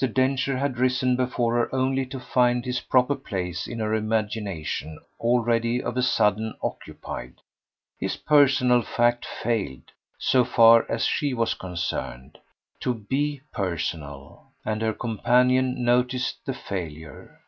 Densher had risen before her only to find his proper place in her imagination already of a sudden occupied. His personal fact failed, so far as she was concerned, to BE personal, and her companion noticed the failure.